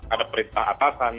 ada perintah atasan